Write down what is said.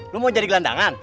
lu mau jadi gelandangan